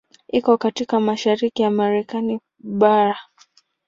Iko katika mashariki ya Marekani bara.